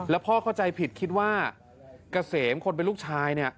แล้วพ่อเข้าใจผิดคิดว่าเกษมคนเป็นลูกชายเนี่ย